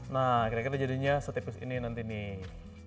nah kira kira jadinya setipis ini nanti nih